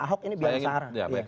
ahok ini biang sarah